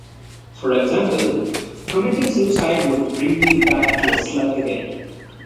For example, committing suicide would bring me back to a slug again